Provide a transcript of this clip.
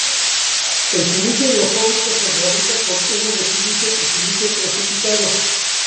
El sílice hidrofóbico se fabrica con humo de sílice y sílice precipitado.